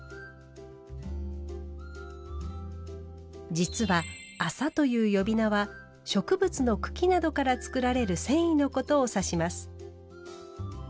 実は「麻」という呼び名は植物の茎などから作られる繊維のことを指します。